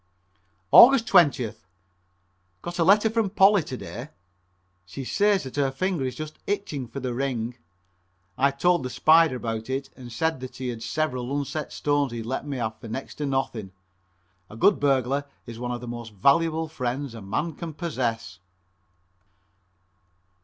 Aug. 20th. Got a letter from Polly to day. She says that her finger is just itching for the ring. I told the "Spider" about it and he said that he had several unset stones he'd let me have for next to nothing. A good burglar is one of the most valuable friends a man can possess.